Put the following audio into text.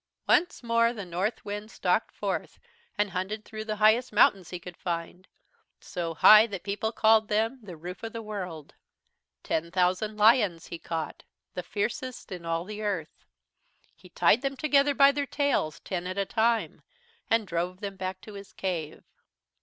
"Once more the Northwind stalked forth and hunted through the highest mountains he could find, so high that people called them 'the Roof of the World.' Ten thousand lions he caught, the fiercest in all the Earth. He tied them together by their tails, ten at a time, and drove them back to his cave.